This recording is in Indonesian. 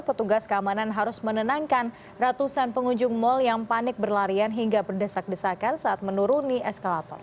petugas keamanan harus menenangkan ratusan pengunjung mal yang panik berlarian hingga berdesak desakan saat menuruni eskalator